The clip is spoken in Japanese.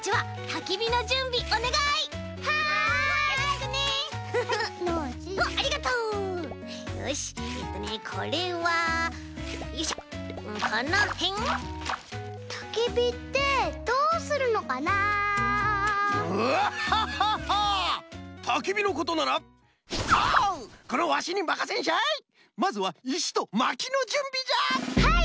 はい！